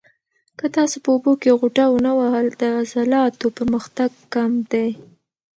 که تاسو په اوبو کې غوټه ونه وهل، د عضلاتو پرمختګ کم دی.